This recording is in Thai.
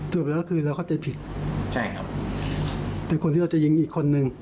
แต่คนที่เราจะยิงอีกคนนึง